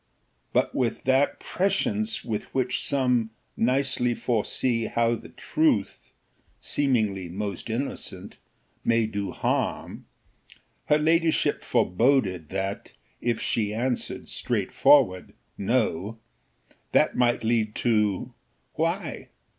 But with that prescience with which some nicely foresee how the truth, seemingly most innocent, may do harm, her ladyship foreboded that, if she answered straight forward "no" that might lead to why?